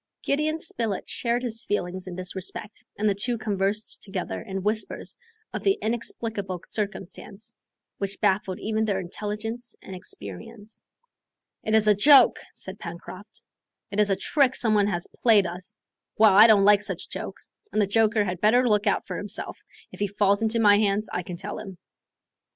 Gideon Spilett shared his feelings in this respect, and the two conversed together in whispers of the inexplicable circumstance which baffled even their intelligence and experience. "It is a joke," said Pencroft; "it is a trick some one has played us. Well, I don't like such jokes, and the joker had better look out for himself, if he falls into my hands, I can tell him."